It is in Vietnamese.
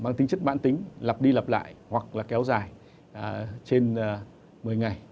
những chất bản tính lặp đi lặp lại hoặc là kéo dài trên một mươi ngày